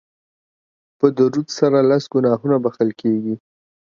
په درود سره لس ګناهونه بښل کیږي